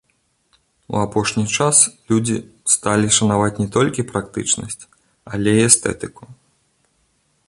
У апошні час людзі сталі шанаваць не толькі практычнасць, але і эстэтыку.